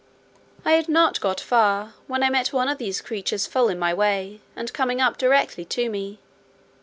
I had not got far, when I met one of these creatures full in my way, and coming up directly to me.